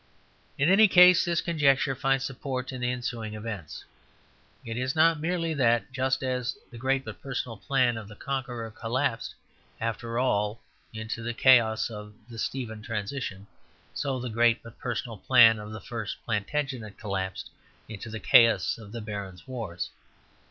In any case this conjecture finds support in the ensuing events. It is not merely that, just as the great but personal plan of the Conqueror collapsed after all into the chaos of the Stephen transition, so the great but personal plan of the first Plantagenet collapsed into the chaos of the Barons' Wars.